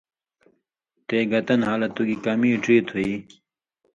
تے، گتہ نھالہ، تُو گی کمی ڇی تُھو یی؟